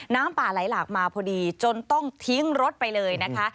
น้ำป่าไหลหลากมาพอดีจนต้องทิ้งรถไปเลยนะคะ